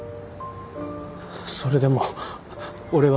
それでも俺は。